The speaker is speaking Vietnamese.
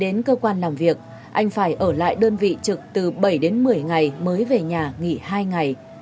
đến cơ quan làm việc anh phải ở lại đơn vị trực từ bảy đến một mươi ngày mới về nhà nghỉ hai ngày